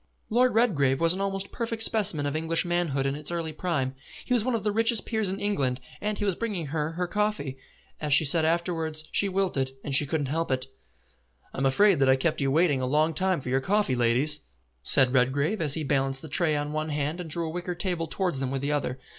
Lord Redgrave was an almost perfect specimen of English manhood in its early prime. He was one of the richest peers in England, and he was bringing her her coffee. As she said afterwards, she wilted, and she couldn't help it. "I'm afraid I have kept you waiting a long time for your coffee, ladies," said Redgrave, as he balanced the tray on one hand and drew a wicker table towards them with the other.